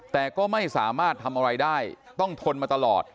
แต่ก็ไม่สามารถทำอะไรได้ต้องทนมาตลอด